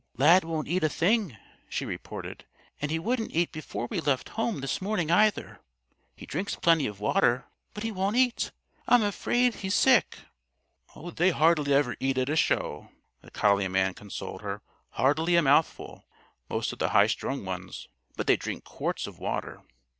"Lad won't eat a thing," she reported, "and he wouldn't eat before we left home this morning, either. He drinks plenty of water, but he won't eat. I'm afraid he's sick." "They hardly ever eat at a show," the collie man consoled her, "hardly a mouthful most of the high strung ones, but they drink quarts of water.